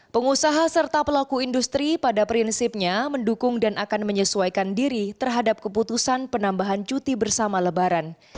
pengusaha serta pelaku industri pada prinsipnya mendukung dan akan menyesuaikan diri terhadap keputusan penambahan cuti bersama lebaran